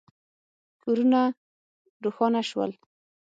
کورونه روښانه شول.